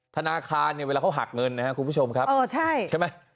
ธนาคารเนี่ยเวลาเขาหักเงินนะครับคุณผู้ชมครับใช่ไหม